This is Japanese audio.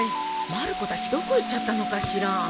まる子たちどこ行っちゃったのかしら？